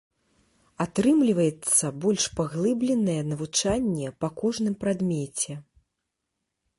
Атрымліваецца больш паглыбленае навучанне па кожным прадмеце.